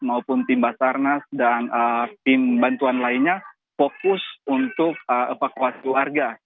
maupun tim basarnas dan tim bantuan lainnya fokus untuk evakuasi warga